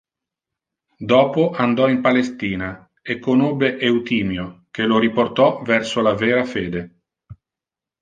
Dopo andò in Palestina e conobbe Eutimio che lo riportò verso la "vera" fede.